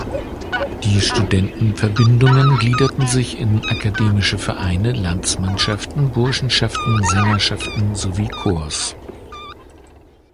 Die Studentenverbindungen gliederten sich in akademische Vereine, Landsmannschaften, Burschenschaften, Sängerschaften sowie in Corps.